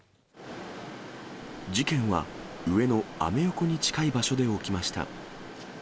事件は上野・アメ横に近い場所で起きました。